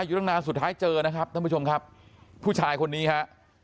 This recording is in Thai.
อยู่ตั้งนานสุดท้ายเจอนะครับท่านผู้ชมครับผู้ชายคนนี้ฮะ